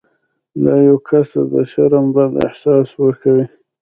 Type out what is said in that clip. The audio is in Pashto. دا یو کس ته د شرم بد احساس ورکوي.